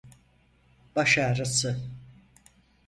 Baş ağrısı.